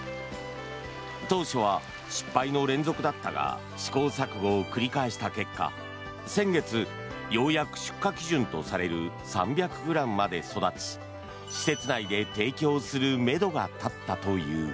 当初は失敗の連続だったが試行錯誤を繰り返した結果先月、ようやく出荷基準とされる３００ｇまで育ち施設内で提供するめどが立ったという。